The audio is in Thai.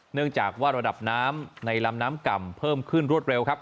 เนื่องจากว่าระดับน้ำในลำน้ำก่ำเพิ่มขึ้นรวดเร็วครับ